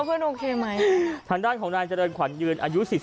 เพื่อนโอเคไหมทางด้านของนายเจริญขวัญยืนอายุ๔๒